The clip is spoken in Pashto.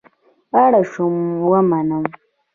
اړ شوم ومنم.